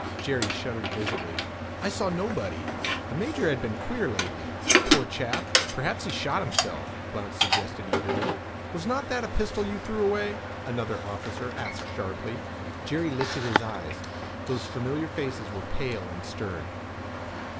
Jerry shuddered visibly. 'I saw nobody!' 'The major has been queer lately, poor chap. Perhaps he shot himself,' Blount suggested eagerly. 'Was not that a pistol you threw away?' another officer asked sharply. Jerry lifted his eyes. Those familiar faces were pale and stern.